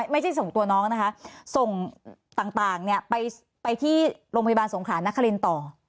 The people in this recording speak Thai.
ไม่ใช่ส่งตัวน้องนะคะส่งต่างไปที่โรงพยาบาลสงขรานครินต่อ